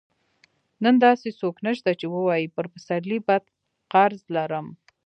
نن داسې څوک نشته چې ووايي پر پسرلي بد قرض لرم.